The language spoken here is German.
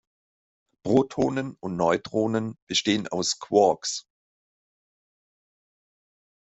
Protonen und Neutronen bestehen aus Quarks.